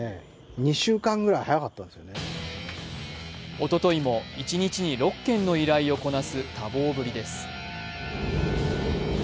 おとといも、一日に６件の依頼をこなす多忙ぶりです。